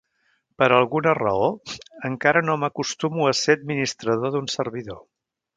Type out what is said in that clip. Per alguna raó, encara no m'acostumo a ser administrador d'un servidor.